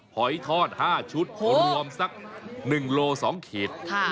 หอยทอด๕ชุดรวมสัก๑โล๒ขีด